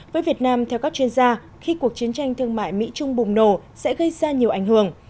với việt nam theo các chuyên gia khi cuộc chiến tranh thương mại mỹ trung bùng nổ sẽ gây ra nhiều ảnh hưởng